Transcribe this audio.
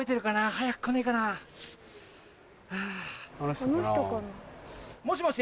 早く来ねえかな。もしもし？